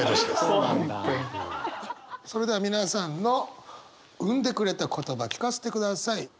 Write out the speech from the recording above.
それでは皆さんの生んでくれた言葉聞かせてください。